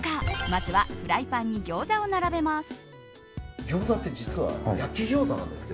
まずは、フライパンにギョーザを並べます。